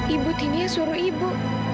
ibu tini suruh ibu